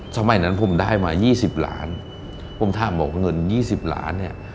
สมัยนั้นผมได้มา๒๐ล้านผมถามบอกว่าเงิน๒๐ล้านเนี่ย